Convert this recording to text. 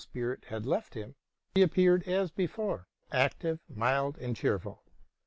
73 spirit had left him, he appeared as before, active, mild, and cheerful.